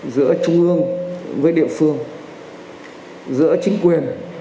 giữa trung ương với địa phương giữa chính quyền